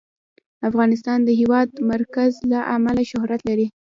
افغانستان د د هېواد مرکز له امله شهرت لري.